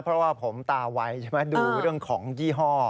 เพราะว่าผมตาไวใช่ไหมดูเรื่องของยี่ห้อ